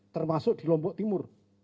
termasuk di lombok timur